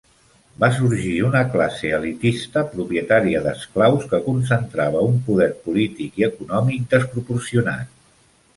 Va sorgir una classe elitista propietària d'esclaus que concentrava un poder polític i econòmic desproporcionat.